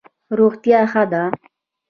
روغتیا ښه ده.